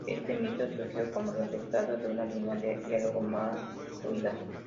Este mito surgió como resultado de una línea de diálogo mal oída.